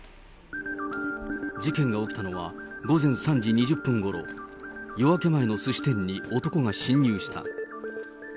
事件が起きたのは、午前３時２０分ごろ、夜明け前のすし店に男が侵入した。